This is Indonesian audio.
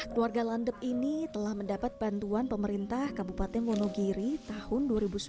keluarga landep ini telah mendapat bantuan pemerintah kabupaten wonogiri tahun dua ribu sembilan belas